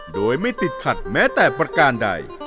โดยไม่ติดขัดแม้แต่ประการใด